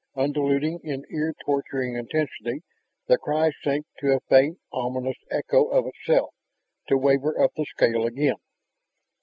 Ululating in ear torturing intensity, the cry sank to a faint, ominous echo of itself, to waver up the scale again.